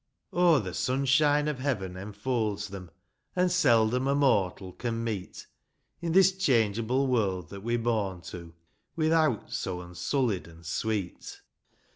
Oh, the sunshine of heaven enfolds them, An' seldom a mortal can meet In this changeable world that we're born to. With aught so unsullied an' sweet